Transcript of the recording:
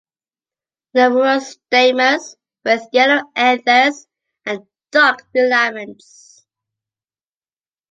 Numerous stamens, with yellow anthers and dark filaments.